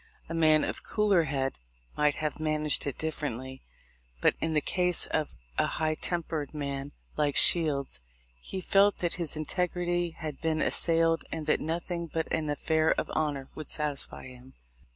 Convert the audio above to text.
A man of cooler head might have managed it differently, but in the case of a high tempered man like Shields he felt that his integrity had been assailed and that nothing but an "affair of honor" would satisfy him.